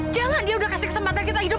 jangan dia udah kasih kesempatan kita hidup